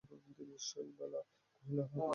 শৈলবালা কহিল, হাঁ গো, এতই প্রেম!